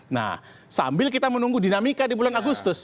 nah sambil kita menunggu dinamika di bulan agustus